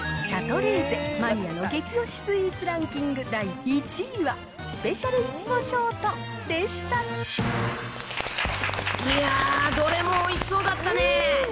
シャトレーゼ、マニアの激推しスイーツランキング第１位は、スペシャル苺ショーいやー、どれもおいしそうだったね。